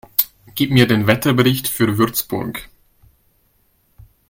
Gib mir den Wetterbericht für Würzburg